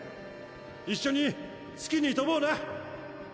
一緒に好きに飛ぼうな！